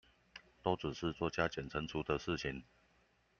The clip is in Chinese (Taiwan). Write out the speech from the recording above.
都只是做加減乘除的事情